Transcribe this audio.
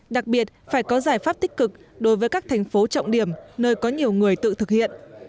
đặc biệt phải có giải pháp tích cực đối với các thành phố trọng điểm nơi có nhiều người tự thực hiện